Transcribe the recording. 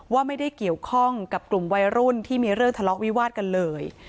ว่าไม่ได้เกี่ยวข้องกับกลุ่มวัยรุ่นที่มีเรื่องทะเลาะวิวาดกันเลย